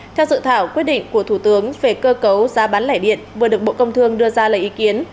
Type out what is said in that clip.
theo dự thảo quyết định của thủ tướng về cơ cấu giá bán lẻ điện vừa được bộ công thương đưa ra lời ý kiến